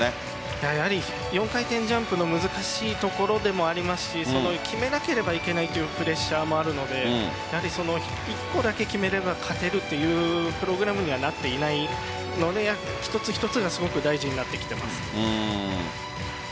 やはり４回転ジャンプの難しいところでもありますしその決めなければいけないというプレッシャーもあるのでその１歩だけ決めれば勝てるというプログラムにはなっていないので一つ一つがすごく大事になってきています。